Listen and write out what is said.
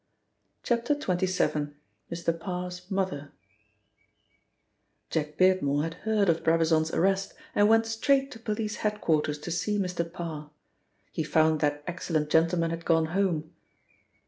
XXVII. — MR. PARR'S MOTHER JACK BEARDMORE had heard of Brabazon's arrest, and went straight to police head quarters to see Mr. Parr. He found that excellent gentleman had gone home.